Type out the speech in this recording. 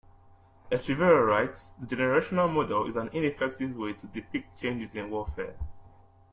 Echevarria writes: the generational model is an ineffective way to depict changes in warfare.